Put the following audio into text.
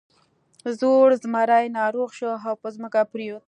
زوړ زمری ناروغ شو او په ځمکه پریوت.